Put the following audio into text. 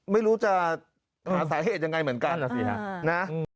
ไม่รู้จะหาสาเหตุยังไงเหมือนกันนะสิฮะนะ